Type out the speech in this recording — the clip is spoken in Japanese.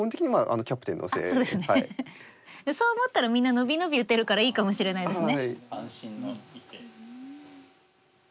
そう思ったらみんな伸び伸び打てるからいいかもしれないですね。